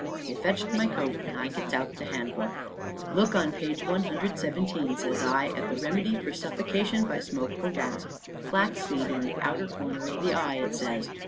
They fetched my coat, and I gets out the Handbook. "Look on page 117," says I, "at the remedy for suffocation by smoke or gas. Flaxseed in the outer corner of the eye, it says.